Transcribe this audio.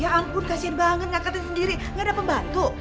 ya ampun kasian banget ngangkatin sendiri gak ada pembantu